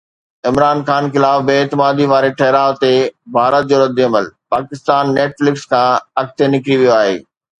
عمران خان خلاف بي اعتمادي واري ٺهراءُ تي ڀارت جو رد عمل: ’پاڪستان نيٽ فلڪس کان اڳتي نڪري ويو آهي‘